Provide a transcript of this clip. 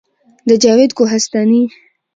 د جاوید کوهستاني